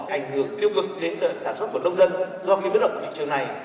ảnh hưởng tiêu cực đến sản xuất của nông dân do cái biến động của thị trường này